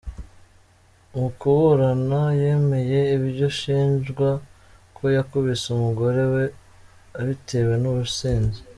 Mu kuburana, yemeye ibyo ashinjwa ko yakubise umugore we abitewe n’ubusinzi.